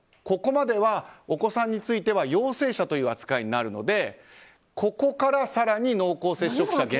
ここまではお子さんについては陽性者という扱いになるのでここから更に濃厚接触者